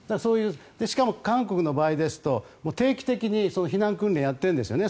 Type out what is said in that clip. しかも韓国の場合ですと定期的に避難訓練をやっているんですね。